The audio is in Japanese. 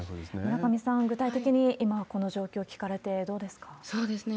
村上さん、具体的に今、この状況聞かれて、どうですか？